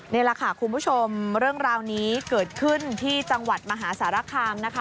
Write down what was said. นี่แหละค่ะคุณผู้ชมเรื่องราวนี้เกิดขึ้นที่จังหวัดมหาสารคามนะคะ